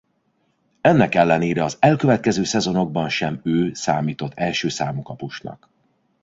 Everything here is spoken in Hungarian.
Ennek ellenére az elkövetkező szezonokban sem ő számított első számú kapusnak.